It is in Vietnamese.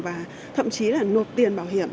và thậm chí là nộp tiền bảo hiểm